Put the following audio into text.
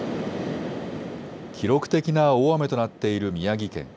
記録的な大雨となっている宮城県。